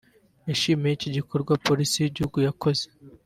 yashimiye iki gikorwa Polisi y’Igihugu yakoze